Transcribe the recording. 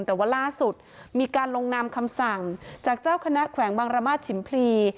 แต่ว่าล่าสุดมีการลงนามคำสั่งจากเจ้าคณะแขวงบางรมาศฉิมพลี